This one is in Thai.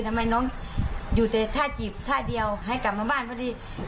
ทำไมน้องอยู่แต่ท่าจีบท่าเดียวให้กลับมาบ้านพอดี